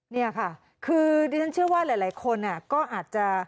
นี่ค่ะคือดิฉันเชื่อว่าหลายคนก็อาจจะ